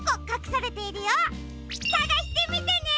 さがしてみてね！